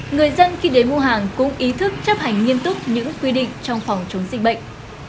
người dân khi đến mua hàng cũng ý thức chấp hành nghiêm túc những quy định trong phòng chống dịch bệnh